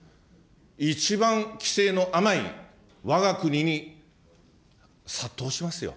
一番規制の甘いわが国に殺到しますよ。